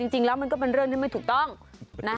จริงแล้วมันก็เป็นเรื่องที่ไม่ถูกต้องนะ